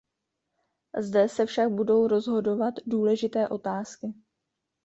Zde se však budou rozhodovat důležité otázky.